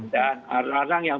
dan orang orang yang